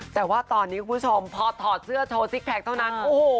แต่ว่าตอนนี้คุณผู้ชมพอถอดเสื้อโชว์ซิกแพคเท่านั้นโอ้โห